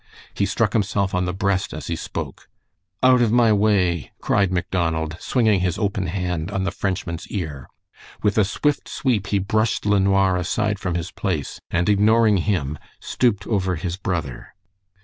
He struck himself on the breast as he spoke. "Out of my way!" cried Macdonald, swinging his open hand on the Frenchman's ear. With a swift sweep he brushed LeNoir aside from his place, and ignoring him stooped over his brother.